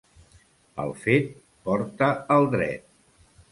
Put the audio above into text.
El fet porta el dret.